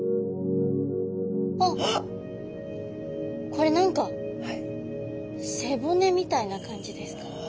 これ何か背骨みたいな感じですか？